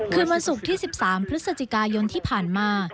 คืนวันศุกร์ที่๑๓พฤศจิกายนที่ผ่านมา